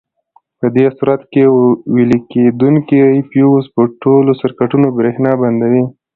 په دې صورت کې ویلې کېدونکي فیوز پر ټولو سرکټونو برېښنا بندوي.